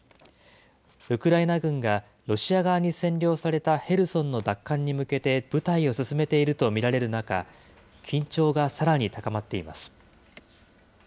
ウクライナ軍がロシア側に占領されたヘルソンの奪還に向けて部隊を進めていると見られる中、緊張がさらに高まっています。